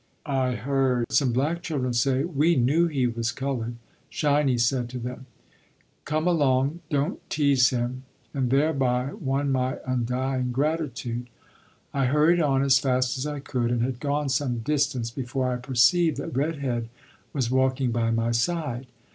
I heard some black children say: "We knew he was colored." "Shiny" said to them: "Come along, don't tease him," and thereby won my undying gratitude. I hurried on as fast as I could, and had gone some distance before I perceived that "Red Head" was walking by my side.